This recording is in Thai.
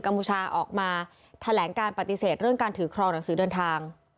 พูชาออกมาแถลงการปฏิเสธเรื่องการถือครองหนังสือเดินทาง